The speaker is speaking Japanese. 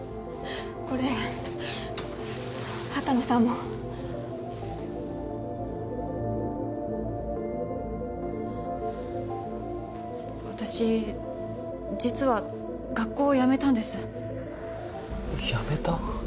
これ畑野さんも私実は学校を辞めたんです辞めた？